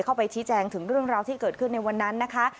เข้าไปชี้แจงถึงเรื่องราวที่เกิดขึ้นในวันนั้นนะคะ